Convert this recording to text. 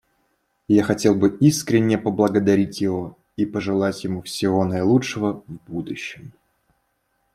Я хотел бы искренне поблагодарить его и пожелать ему всего наилучшего в будущем.